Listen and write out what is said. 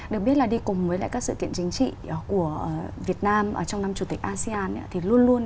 được biết là đi cùng với các sự kiện chính trị của việt nam trong năm chủ tịch asean